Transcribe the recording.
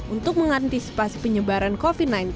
untuk mengantisipasi penyebaran covid sembilan belas